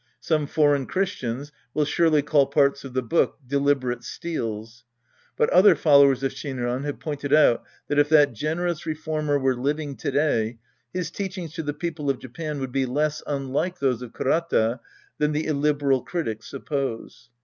Some foreign Christians will surely call parts of the book deliberate steals. But other followers of Shinran have pointed out that if that generous reformer were living to day, his teachings to the people of Japan would be less unlike those of Kurata than the illiberal critics suppose.